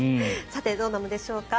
さてどうなのでしょうか。